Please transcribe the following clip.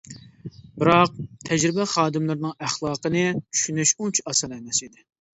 بىراق، تەجرىبە خادىملىرىنىڭ ئەخلاقىنى چۈشىنىش ئۇنچە ئاسان ئەمەس ئىدى.